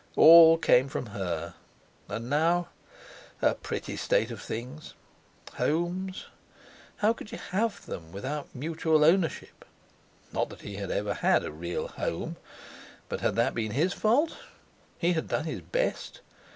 All came from her! And now—a pretty state of things! Homes! How could you have them without mutual ownership? Not that he had ever had a real home! But had that been his fault? He had done his best.